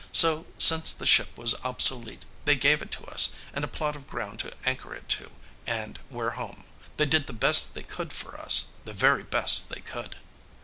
So, since the ship was obsolete, they gave it to us, and a plot of ground to anchor it to, and we're home. They did the best they could for us, the very best they could."